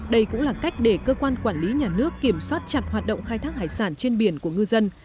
đây cũng là cách để cơ quan quản lý nhà nước kiểm soát chặt hoạt động khai thác hải sản trên biển của ngư dân